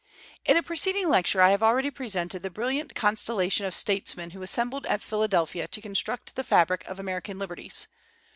In a preceding lecture I have already presented the brilliant constellation of statesmen who assembled at Philadelphia to construct the fabric of American liberties.